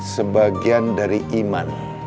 sebagian dari iman